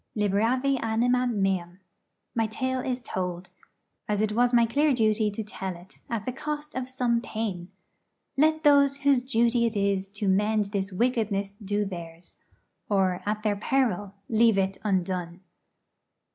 'Liberavi animam meam.' My tale is told, as it was my clear duty to tell it, at the cost of some pain. Let those whose duty it is to mend this wickedness do theirs, or at their peril leave it undone. 'Mr.